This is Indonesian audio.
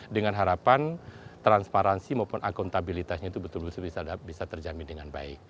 dengan harapan transparansi maupun akuntabilitasnya itu betul betul bisa terjamin dengan baik